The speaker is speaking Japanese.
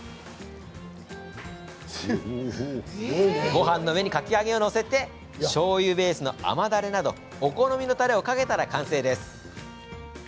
ごはんの上にかき揚げを載せしょうゆベースの甘だれなどお好みのたれをかけたら完成です。